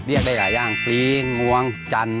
เรียกได้อย่างยังปลีงวงจัน